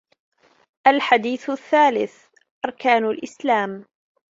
الحديث الثالث: أركان الإسلام